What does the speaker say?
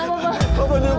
papa kenapa pak